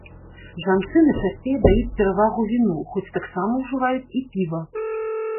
Жанчыны часцей аддаюць перавагу віну, хоць таксама ўжываюць і піва.